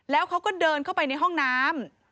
แล้วเขาก็เดินเข้าไปในห้องน้ำ